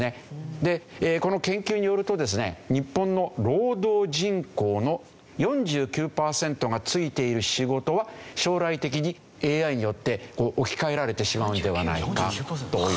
でこの研究によるとですね日本の労働人口の４９パーセントが就いている仕事は将来的にＡＩによって置き換えられてしまうのではないかという。